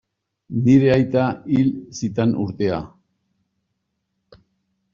Nire aita hil zuten urtea.